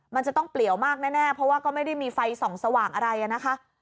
มันจะต้องเปลี่ยวมากแน่เพราะว่าก็ไม่ได้มีไฟส่องสว่างอะไรนะคะ